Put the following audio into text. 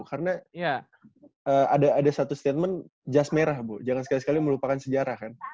karena ada satu statement jas merah bo jangan sekali sekali melupakan sejarah kan